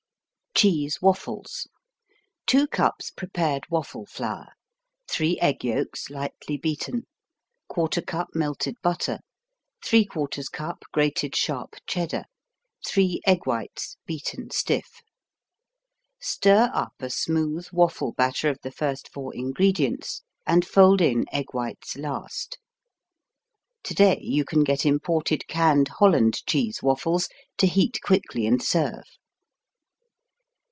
Cheese Waffles 2 cups prepared waffle flour 3 egg yolks, lightly beaten 1/4 cup melted butter 3/4 cup grated sharp Cheddar 3 egg whites, beaten stiff Stir up a smooth waffle batter of the first 4 ingredients and fold in egg whites last. Today you can get imported canned Holland cheese waffles to heat quickly and serve.